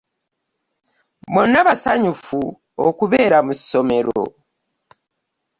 Bonna basanyufu okubeera mu ssomero.